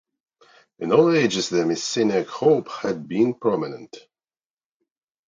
In all ages the Messianic hope had been prominent.